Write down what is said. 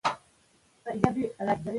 قانون د نظم بنسټ دی.